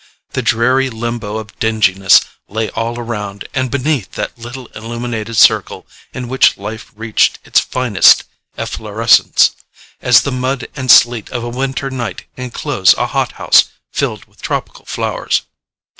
The dreary limbo of dinginess lay all around and beneath that little illuminated circle in which life reached its finest efflorescence, as the mud and sleet of a winter night enclose a hot house filled with tropical flowers.